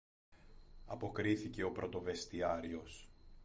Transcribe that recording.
αποκρίθηκε ο πρωτοβεστιάριος.